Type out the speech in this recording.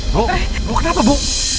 bu bu kenapa bu